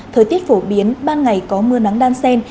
thời tiết phổ biến ban ngày có mưa nắng đan sen